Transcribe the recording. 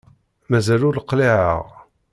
Mazal ur qliεeɣ.